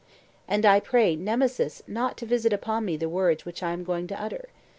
And I pray Nemesis not to visit upon me the words which I am going to utter.